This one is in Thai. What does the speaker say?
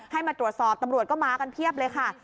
ให้มาตรวจสอบตำรวจก็มากันเพียบเลยค่ะ